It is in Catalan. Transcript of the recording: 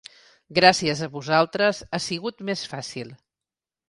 Gràcies a vosaltres ha sigut més fàcil.